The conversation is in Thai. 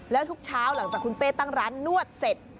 แล้วทุกเช้าหลังจากคุณเป้ตั้งร้านนวดเสร็จ